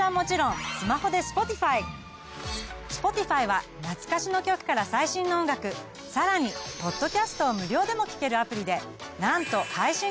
Ｓｐｏｔｉｆｙは懐かしの曲から最新の音楽さらにポッドキャストを無料でも聞けるアプリでなんと配信楽曲は邦楽含め８，０００万